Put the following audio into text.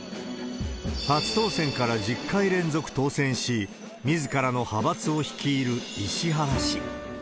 初当選から１０回連続当選し、みずからの派閥を率いる石原氏。